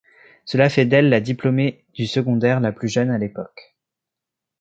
Cela fait d'elle la diplômée du secondaire la plus jeune à l’époque.